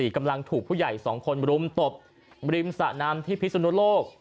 กำลังถูกผู้ใหญ่๒คนรุมตบริมสะน้ำที่พิศนุโลก